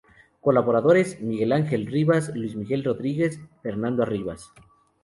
Colaboradores: Miguel Ángel Rivas, Luis Miguel Rodríguez, Fernando Arribas.